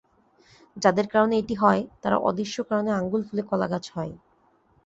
যাদের কারণে এটি হয়, তারা অদৃশ্য কারণে আঙুল ফুলে কলাগাছ হয়।